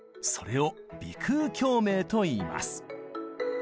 それを「鼻腔共鳴」といいます。